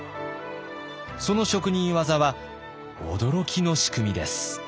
その職人技は驚きの仕組みです。